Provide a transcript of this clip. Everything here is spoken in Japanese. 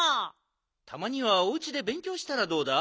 たまにはおうちでべんきょうしたらどうだ？